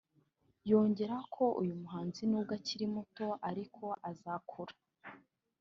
yongeraho ko uyu muhanzi nubwo akiri muto ariko azakura